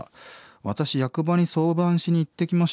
「私役場に相談しに行ってきました。